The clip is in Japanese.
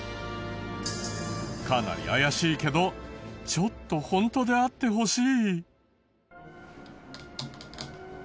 かなり怪しいけどちょっとホントであってほしい。